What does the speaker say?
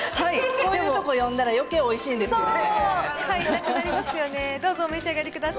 こういう所読んだら、よけいおいしいんですよね。